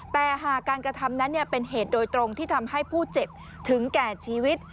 แต่หากการกระทำนั้นเป็นเหตุโดยตรงที่ทำให้ผู้เจ็บถึงแก่ชีวิต